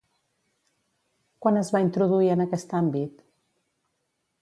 Quan es va introduir en aquest àmbit?